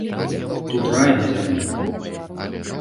Тут рай на зямлі.